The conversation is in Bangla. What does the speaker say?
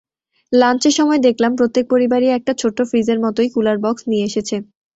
লাঞ্চের সময় দেখলাম প্রত্যেক পরিবারই একটা ছোট্ট ফ্রিজের মতোই কুলার বক্স নিয়ে এসেছে।